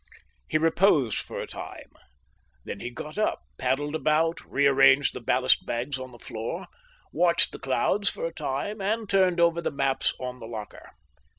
He reposed for a time. Then he got up, paddled about, rearranged the ballast bags on the floor, watched the clouds for a time, and turned over the maps on the locker.